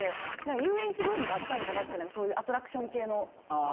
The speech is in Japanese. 遊園地ブームあったんかなってアトラクション系の。